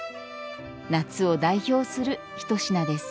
夏を代表するひと品です。